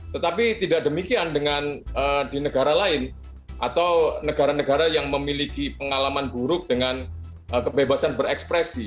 tetapi tidak demikian dengan di negara lain atau negara negara yang memiliki pengalaman buruk dengan kebebasan berekspresi